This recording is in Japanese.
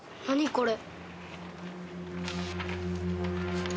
これ。